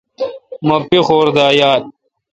مہ پیخور دا یال۔